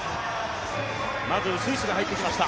まずスイスが入ってきました。